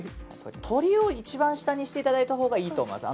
鶏を一番下にしていただいたほうがいいです。